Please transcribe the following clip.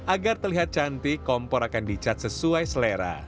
agar terlihat cantik kompor akan dicat sesuai selera